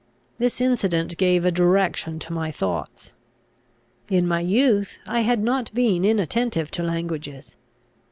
This incident gave a direction to my thoughts. In my youth I had not been inattentive to languages.